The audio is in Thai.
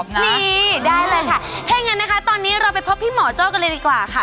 นี่ได้เลยค่ะถ้าอย่างนั้นนะคะตอนนี้เราไปพบพี่หมอโจ้กันเลยดีกว่าค่ะ